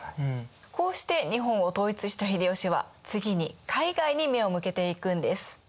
こうして日本を統一した秀吉は次に海外に目を向けていくんです。